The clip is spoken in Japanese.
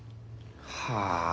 はあ？